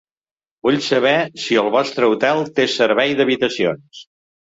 Vull saber si el vostre hotel te servei d,habitacions.